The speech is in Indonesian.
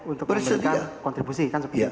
untuk memberikan kontribusi